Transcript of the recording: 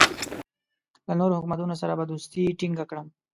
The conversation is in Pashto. له نورو حکومتونو سره به دوستي ټینګه کړم.